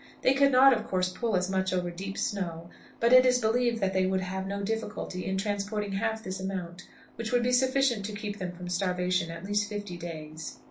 They could not, of course, pull as much over deep snow, but it is believed that they would have no difficulty in transporting half this amount, which would be sufficient to keep them from starvation at least fifty days.